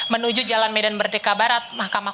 menuju jalan medan merdeka barat mahkamah